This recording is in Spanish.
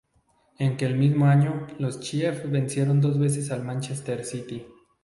En que el mismo año, los chiefs vencieron dos veces al Manchester City.